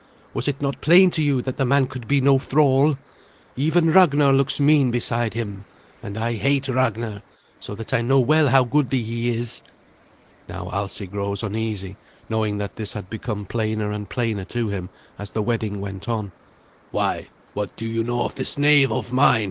Was it not plain to you that the man could be no thrall? Even Ragnar looks mean beside him, and I hate Ragnar, so that I know well how goodly he is." Now Alsi grows uneasy, knowing that this had become plainer and plainer to him as the wedding went on. "Why, what do you know of this knave of mine?"